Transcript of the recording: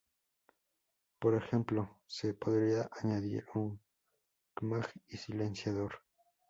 Por ejemplo, se podría añadir un C-mag y silenciador.